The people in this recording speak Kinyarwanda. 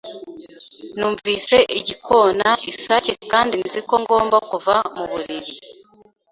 Numvise igikona isake kandi nzi ko ngomba kuva muburiri.